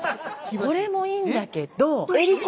これもいいんだけど江里子